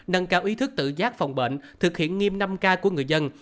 nâng cao ý thức tự giác phòng bệnh thực hiện nghiêm năm k của người dân